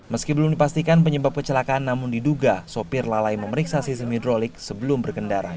meski belum dipastikan penyebab kecelakaan namun diduga sopir lalai memeriksa sistem hidrolik sebelum berkendara